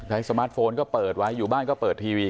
สมาร์ทโฟนก็เปิดไว้อยู่บ้านก็เปิดทีวี